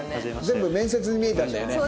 全部面接に見えたんだよね。